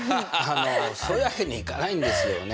そういうわけにはいかないんですよね。